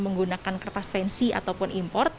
menggunakan kertas pensi ataupun import